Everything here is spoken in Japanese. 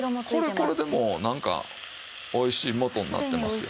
これでもうなんかおいしい素になってますよ。